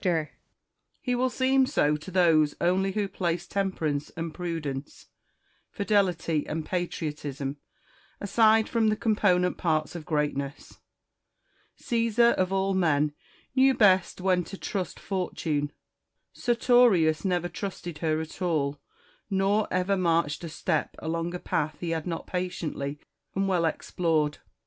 Marcus. He will seem so to those only who place temperance and prudence, fidelity and patriotism, aside MARCUS TULLIUS AND QUINCTUS CICERO. 317 from the component parts of greatness. Caesar, of all men, knew best when to trust Fortune : Sertorius never trusted her at all, nor ever marched a step along a path he had not patiently and well explored.